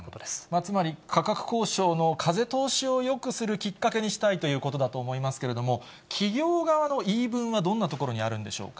つまり価格交渉の風通しをよくするきっかけにしたいということだと思いますけれども、企業側の言い分はどんなところにあるんでしょうか。